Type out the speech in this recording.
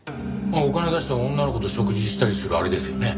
お金出して女の子と食事したりするあれですよね？